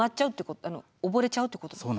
溺れちゃうってことですか。